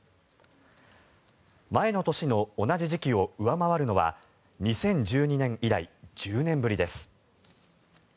前の年の同じ時期を上回るのは２０１２年以来１０年ぶりです。